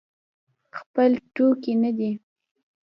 خپل ټوکي نه دی.